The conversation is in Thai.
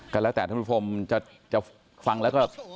ก็แล้วแต่ท่านผู้ชมจะฟังแล้วก็